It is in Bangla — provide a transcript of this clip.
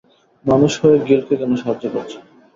মানুষ হয়ে, গিল্ডকে কেন সাহায্য করছো?